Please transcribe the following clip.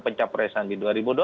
pencapresan di dua ribu dua puluh